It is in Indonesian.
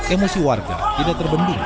emosi warga tidak terbendung